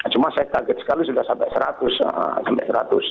cuma saya kaget sekali sudah sampai seratus sampai seratus